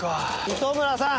糸村さん！